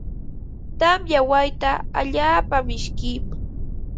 Tamya wayta allaapa mishkim.